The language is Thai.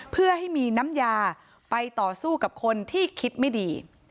เพื่อให้มีน้ำยาไปต่อสู้กับคนที่คิดไม่ดี